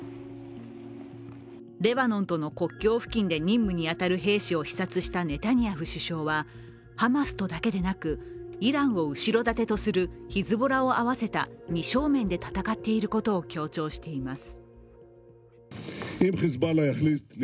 レバノンとの国境付近で任務に当たる兵士を視察したネタニヤフ首相はハマスとだけでなく、イランを後ろ盾とするヒズボラを合わせた２正面で戦っていることを強調しています。